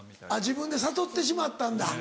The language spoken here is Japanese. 自分で悟ってしまったんだ。